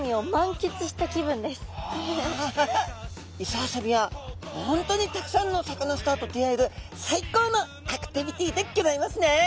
磯遊びは本当にたくさんのサカナスターと出会える最高のアクティビティでギョざいますね。